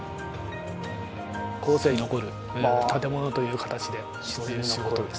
後世に残る建物という形でそういう仕事です。